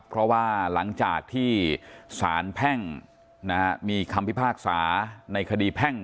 เพราะว่าหลังจากที่สารแพ่งมีคำพิพากษาในคดีแพ่ง